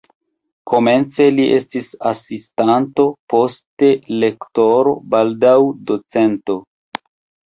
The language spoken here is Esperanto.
Komence li estis asistanto, poste lektoro, baldaŭ docento.